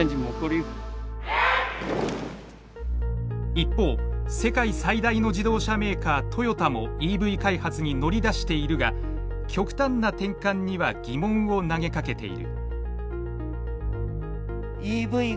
一方世界最大の自動車メーカー「トヨタ」もＥＶ開発に乗り出しているが極端な転換には疑問を投げかけている。